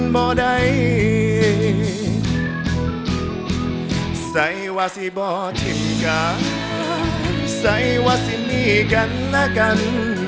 บ่ได้ใส่ว่าสิบ่ทิมการใส่ว่าสิมีกันและกัน